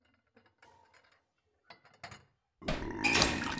• که ژوند له تا سره سم نه وي، ته له هغه سره سم اوسه.